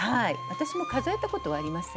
私も数えたことはありません。